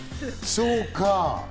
そうか。